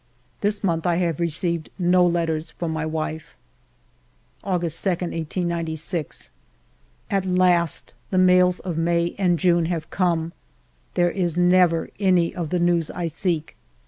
This month 1 have received no letters from my wife. August 2, 1896. At last the mails of May and June have come. There is never any of the news I seek.